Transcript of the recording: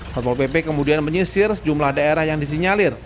satpol pp kemudian menyisir sejumlah daerah yang disinyalir